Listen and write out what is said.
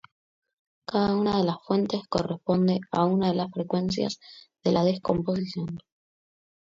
Cada una de las fuentes corresponde a una de las frecuencias de la descomposición.